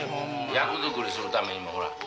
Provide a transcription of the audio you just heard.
役作りするためにも。